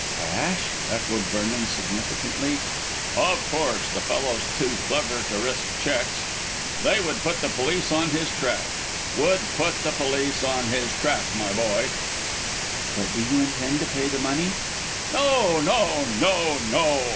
"Cash?" echoed Vernon significantly. "Of course. The fellow's too clever to risk cheques. They would put the police on his track; would put the police on his track, my boy." "But do you intend to pay the money?" "No, no, no, no!